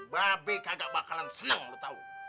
ba be kagak bakalan seneng lu tahu